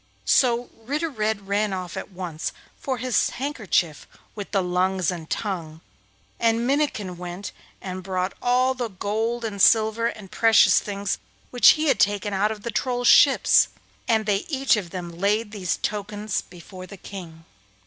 So Ritter Red ran off at once for his handkerchief with the lungs and tongue, and Minnikin went and brought all the gold and silver and precious things which he had taken out of the Trolls' ships; and they each of them laid these tokens before the King.